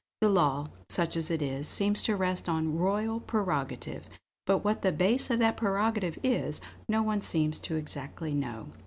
The law, such as it is, seems to rest on Royal Prerogative; but what the base of that prerogative is, no one seems exactly to know.